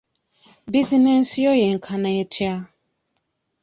Bizinensi yo yenkana etya?